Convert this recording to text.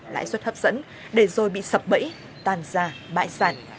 lãi suất hấp dẫn để rồi bị sập bẫy tàn ra bại sản